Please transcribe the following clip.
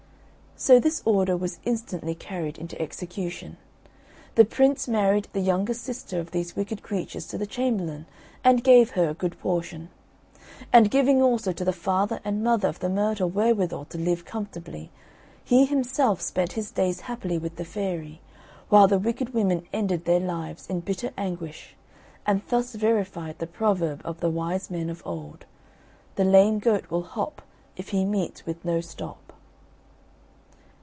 So this order was instantly carried into execution. The Prince married the youngest sister of these wicked creatures to the chamberlain, and gave her a good portion. And giving also to the father and mother of the myrtle wherewithal to live comfortably, he himself spent his days happily with the fairy; while the wicked women ended their lives in bitter anguish, and thus verified the proverb of the wise men of old "The lame goat will hop If he meets with no stop."